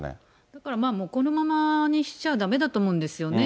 だから、もうこのままにしちゃだめだと思うんですよね。